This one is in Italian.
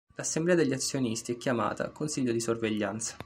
L'assemblea degli azionisti è chiamata "Consiglio di sorveglianza".